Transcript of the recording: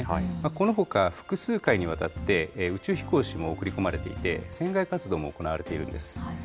このほか、複数回にわたって、宇宙飛行士も送り込まれていて、船外活動も行われているんです。